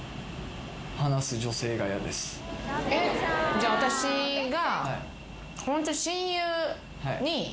じゃあ私が。